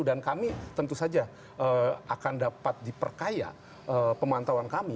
dan kami tentu saja akan dapat diperkaya pemantauan kami